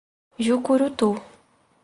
Jucurutu